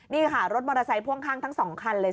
นี่ค่ะรถมอเตอร์ไซค์พ่วงข้างทั้ง๒คันเลย